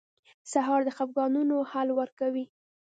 سهار د خفګانونو حل ورکوي.